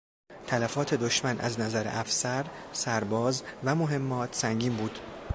تلفات دشمن از نظر افسر، سرباز و مهمات سنگین بود.